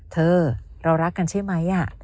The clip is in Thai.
เธอเรารักกันใช่ไหม